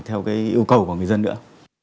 theo yêu cầu của người dân nữa